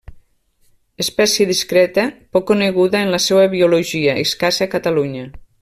Espècie discreta poc coneguda en la seva biologia, escassa a Catalunya.